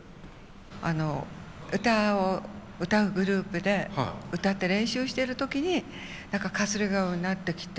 あの歌を歌うグループで歌って練習してる時に何かかすれ声になってきて。